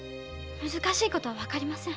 難しいことはわかりません。